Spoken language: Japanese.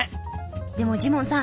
でもジモンさん